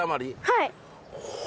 はい。